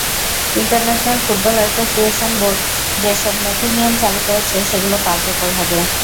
International Football Association Board যেসব নতুন নিয়ম চালু করেছে, সেগুলো কার্যকর হবে।